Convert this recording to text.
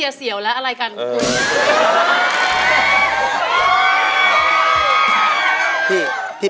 เมื่อสักครู่นี้ถูกต้องทั้งหมด